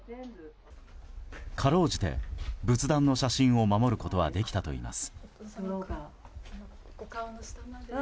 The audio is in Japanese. かろうじて、仏壇の写真を守ることはできたといいます。